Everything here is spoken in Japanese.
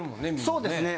そうですね